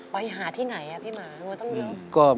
ไปหาที่ไหนอะพี่หมาว่าต้องเร็ว